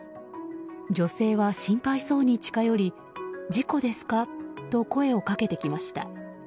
女性は心配そうに近寄り事故ですか？と声をかけてきました。